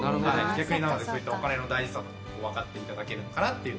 逆になのでそういったお金の大事さとかもわかって頂けるのかなっていう。